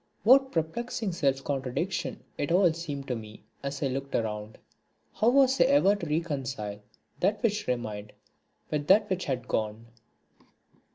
What perplexing self contradiction it all seemed to me as I looked around! How was I ever to reconcile that which remained with that which had gone?